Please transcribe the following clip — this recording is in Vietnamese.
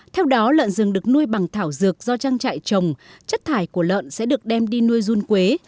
theo đó lợn rừng được nuôi bằng thảo dược do trang trại trồng chất thải của lợn sẽ được đem đi nuôi run quế